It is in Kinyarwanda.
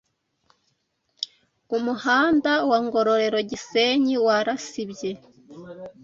Umuhanda wa ngororero gisenyi warasibye